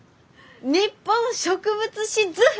「日本植物志図譜」！